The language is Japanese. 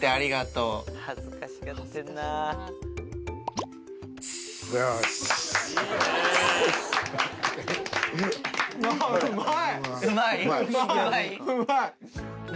うまい！